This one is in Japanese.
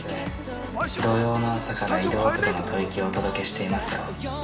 ◆土曜の朝から色男の吐息をお届けしていますよ。